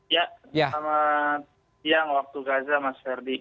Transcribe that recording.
ya selamat siang waktu gaza mas ferdi